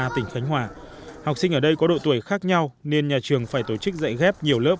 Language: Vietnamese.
tỉnh khánh hòa học sinh ở đây có độ tuổi khác nhau nên nhà trường phải tổ chức dạy ghép nhiều lớp